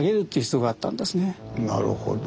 なるほど。